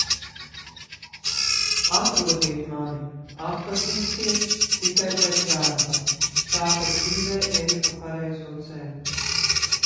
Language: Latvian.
Atrodiet mani, atpazīsties tikai pēc darba. Tātad dzīvē eju pa pareizo ceļu.